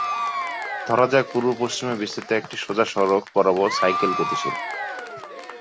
ধরা যাক, পূর্ব পশ্চিমে বিস্তৃত একটি সোজা সড়ক বরাবর একটি সাইকেল গতিশীল।